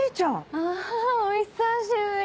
あお久しぶり。